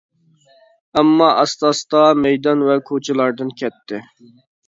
ئامما ئاستا-ئاستا مەيدان ۋە كوچىلاردىن كەتتى.